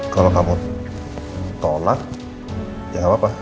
kalau kamu tolak ya gak apa apa